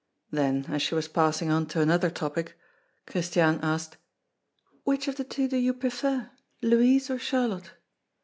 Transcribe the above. Then, as she was passing on to another topic, Christiane asked: "Which of the two do you prefer, Louise or Charlotte?"